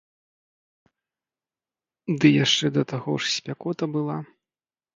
Ды яшчэ да таго ж спякота была.